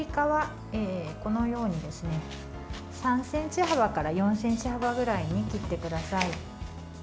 すいかは３ｃｍ幅から４ｃｍ幅ぐらいに切ってください。